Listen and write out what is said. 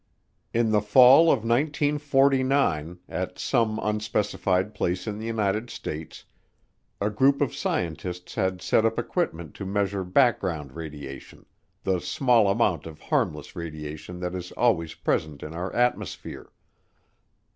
In the fall of 1949, at some unspecified place in the United States, a group of scientists had set up equipment to measure background radiation, the small amount of harmless radiation that is always present in our atmosphere.